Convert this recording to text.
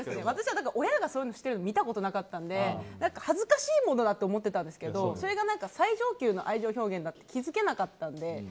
私は親がそういうのをしているところ見たことがなかったので恥ずかしいものだと思ってたんですけどそれが最上級の愛情表現だって気づけなかったので。